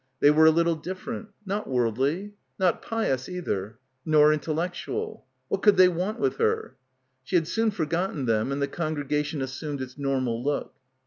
They were a little different. Not worldly. Not pious either. Nor intel lectual. What could they want with her? She — 124 — BACKWATER had soon forgotten them and the congregation as sumed its normal look.